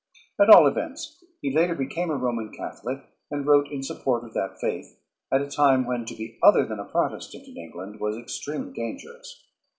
At all events, he later became a Roman Catholic and wrote in support of that faith at a time when to be other than a Protestant in England was extremely dangerous.